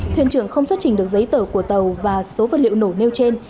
thuyền trưởng không xuất trình được giấy tờ của tàu và số vật liệu nổ nêu trên